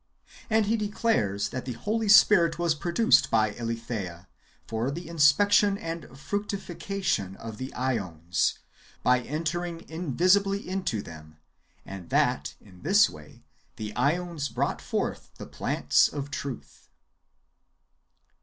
And he declares that the Holy Spirit was produced by Ale theia^ for the inspection and fructification of the 3Sons, by entering invisibly into them, and that, in this way, the ^ons brought forth the plants of truth.